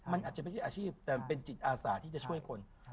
มันอาจจะไม่ใช่อาชีพแต่มันเป็นจิตอาสาที่จะช่วยคน